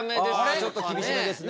ちょっと厳しめですね。